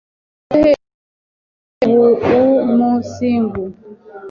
hebe mu buvuzi, mu buumunsingu